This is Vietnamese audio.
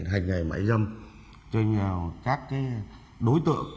hành nghề mại dâm cho nhiều các đối tượng